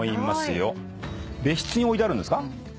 別室に置いてあるんですか？